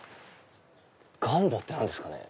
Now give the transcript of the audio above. ガンボって何ですかね？